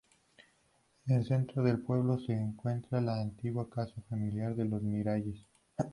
En el centro del pueblo se encuentra la antigua casa familiar de los Miralles.